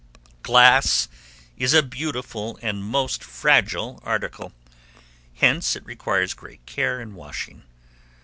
Glass is a beautiful and most fragile article: hence it requires great care in washing.